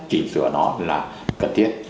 chỉnh sửa nó là cần thiết